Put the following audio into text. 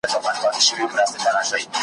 فېشن د هر نوي دور جامه ده .